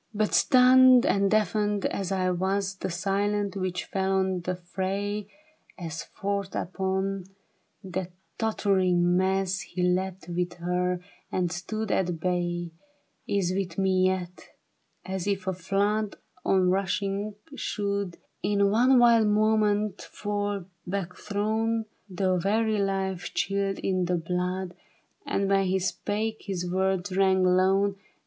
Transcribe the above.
THE BARRICADE. But stunned and deafened as I was, The silence which fell on the fray, As forth upon that tottering mass He leaped with her, and stood at bay, Is with me yet ; as if a flood On rushing, should In one wild moment fall backthrown — The very life chilled in the blood, And when he spake his w^ords rang lone.